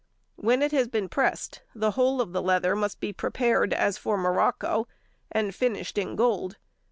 When it has been pressed, the whole of the leather must be prepared as for morocco, and finished in gold.